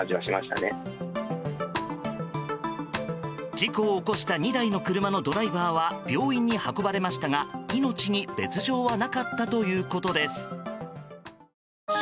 事故を起こした２台の車のドライバーは病院に運ばれましたが命に別状はなかったということです。